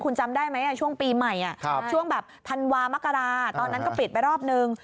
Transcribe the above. คุณจำได้ไหมช่วงปีใหม่ช่วงแบบธันวามกราตอนนั้นก็ปิดไปรอบนึง